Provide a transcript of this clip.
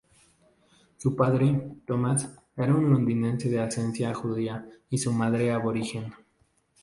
Su padre, Thomas, era un londinense de ascendencia judía y su madre aborigen.